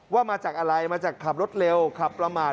ว่ามาจากอะไรมาจากขับรถเร็วขับประมาท